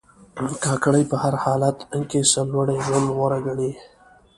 کاکړ په هر حالت کې سرلوړي ژوند غوره ګڼي.